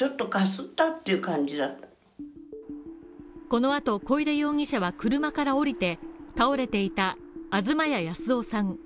このあと小出容疑者は車から降りて倒れていた東谷靖男さん